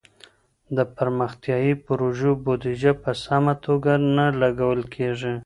د پرمختيايي پروژو بوديجه په سمه توګه لګول کيږي.